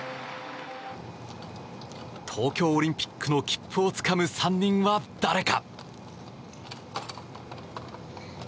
東京オリンピックの切符をつかむ３人はだれか。